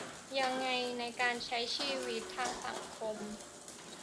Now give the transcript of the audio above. ยังไงในการใช้ชีวิตทางสังคม